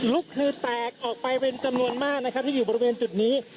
ลุกคือแตกออกไปเป็นจำนวนมากนะครับที่อยู่บริเวณจุดนี้